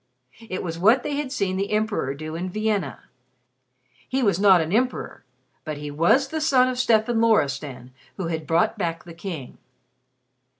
It was what they had seen the Emperor do in Vienna. He was not an Emperor, but he was the son of Stefan Loristan who had brought back the King.